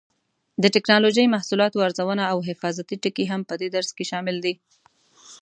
د ټېکنالوجۍ محصولاتو ارزونه او حفاظتي ټکي هم په دې درس کې شامل دي.